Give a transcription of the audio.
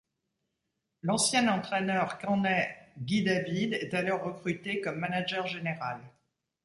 L'ancien entraîneur caennais Guy David est alors recruté comme manager général.